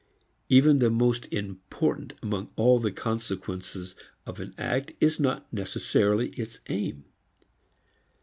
Even the most important among all the consequences of an act is not necessarily its aim.